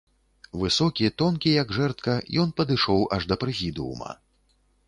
Высокі, тонкі, як жэрдка, ён падышоў аж да прэзідыума.